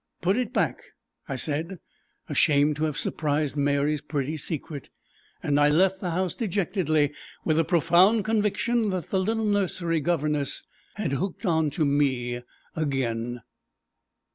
"Put it back," I said, ashamed to have surprised Mary's pretty secret, and I left the house dejectedly, with a profound conviction that the little nursery governess had hooked on to me again.